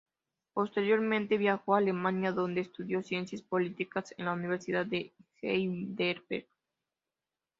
Posteriormente viajó a Alemania, donde estudió Ciencias Políticas en la Universidad de Heidelberg.